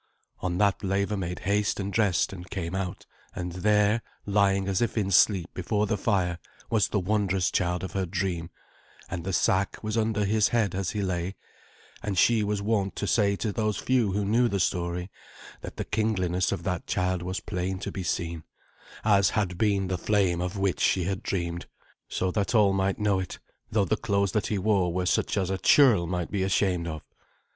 On that Leva made haste and dressed and came out, and there, lying as if in sleep before the fire, was the wondrous child of her dream, and the sack was under his head as he lay; and she was wont to say to those few who knew the story, that the kingliness of that child was plain to be seen, as had been the flame of which she had dreamed, so that all might know it, though the clothes that he wore were such as a churl might be ashamed of.